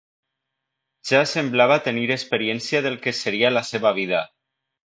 Ja semblava tenir experiència del que seria la seva vida.